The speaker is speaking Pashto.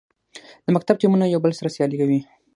د مکتب ټیمونه یو بل سره سیالي کوي.